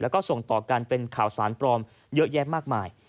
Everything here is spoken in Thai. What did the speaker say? แล้วก็ส่งต่อกันเป็นข่าวสารปลอมเยอะแยะมากมาย